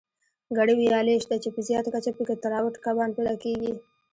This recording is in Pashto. ګڼې ویالې شته، چې په زیاته کچه پکې تراوټ کبان پیدا کېږي.